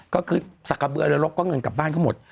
ก็คือสะเขาเบลอเรือลบเงินกลับบ้านบ้างหมด